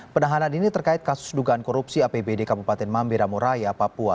penahanan ini terkait kasus dugaan korupsi apbd kabupaten mamberamuraya papua